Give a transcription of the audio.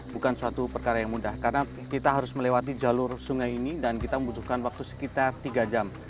bukan suatu perkara yang mudah karena kita harus melewati jalur sungai ini dan kita membutuhkan waktu sekitar tiga jam